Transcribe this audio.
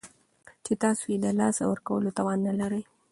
چې تاسو یې د لاسه ورکولو توان نلرئ